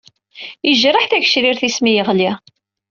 Yejreḥ tagecrirt-is mi yeɣli.